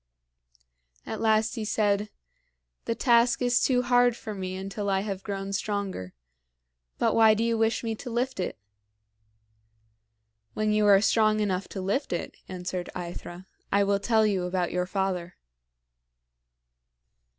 At last he said, "The task is too hard for me until I have grown stronger. But why do you wish me to lift it?" "When you are strong enough to lift it," answered AEthra, "I will tell you about your father."